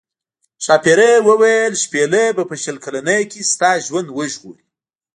ښاپیرۍ وویل شپیلۍ به په شل کلنۍ کې ستا ژوند وژغوري.